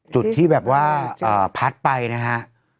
จุดที่แบบว่าพัดไปนะฮะ